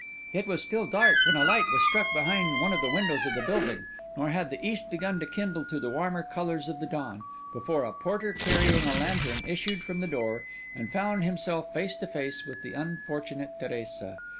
It was still dark when a light was struck behind one of the windows of the building; nor had the east begun to kindle to the warmer colours of the dawn, before a porter carrying a lantern, issued from the door and found himself face to face with the unfortunate Teresa.